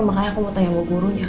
makanya aku mau tanya sama gurunya